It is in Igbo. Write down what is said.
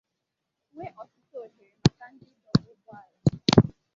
nwee ọtụtụ ohèrè maka ndị ịdọba ụgbọala